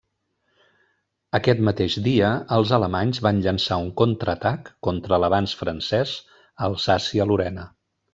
Aquest mateix dia, els alemanys van llançar un contraatac contra l'avanç francès a Alsàcia-Lorena.